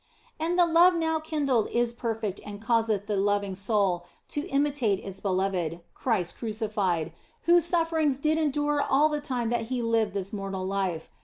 And the love now kindled is perfect and causeth the loving soul to imitate its Beloved, Christ crucified, whose sufferings did endure all the time that He lived this mortal life.